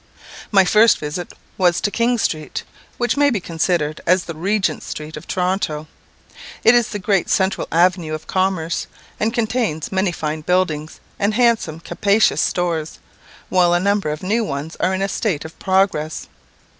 My first visit was to King street, which may be considered as the Regent street of Toronto. It is the great central avenue of commerce, and contains many fine buildings, and handsome capacious stores, while a number of new ones are in a state of progress.